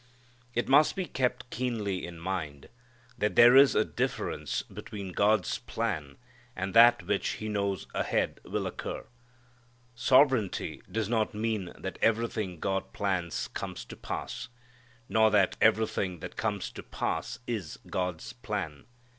It must be kept keenly in mind that there is a difference between God's plan and that which He knows ahead will occur. Sovereignty does not mean that everything God plans comes to pass. Nor that everything that comes to pass is God's plan.